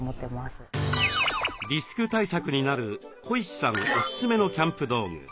リスク対策になるこいしさんおすすめのキャンプ道具。